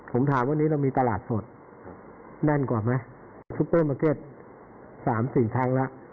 ผมถามวันนี้เรามีตลาดสดแน่นกว่าไหมซุปเปอร์มาร์เก็ต๓๔ครั้งแล้ว